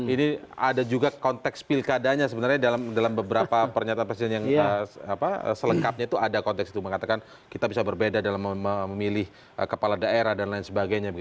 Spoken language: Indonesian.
ini ada juga konteks pilkadanya sebenarnya dalam beberapa pernyataan presiden yang selengkapnya itu ada konteks itu mengatakan kita bisa berbeda dalam memilih kepala daerah dan lain sebagainya